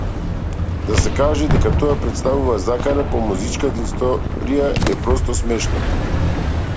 Да се каже дека тоа претставува закана по музичката индустрија е просто смешно.